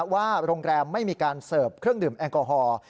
ว่าโรงแรมไม่มีการเสิร์ฟเครื่องดื่มแอลกอฮอล์